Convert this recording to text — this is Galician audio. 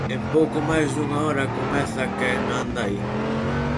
En pouco máis dunha hora comeza Quen anda aí?